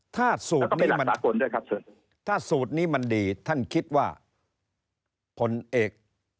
ถ้าสูตรนี้มันถ้าสูตรนี้มันดีท่านคิดว่าผลเอก